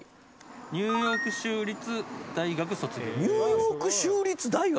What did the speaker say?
ニューヨーク州立大学卒業？